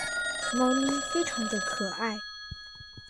猫咪非常的可爱